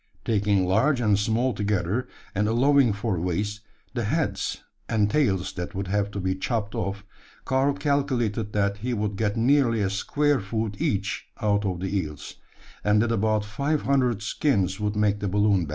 Taking large and small together and allowing for waste, the heads and tails that would have to be chopped off Karl calculated that he would get nearly a square foot each out of the eels; and that about five hundred skins would make the balloon bag.